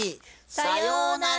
さようなら！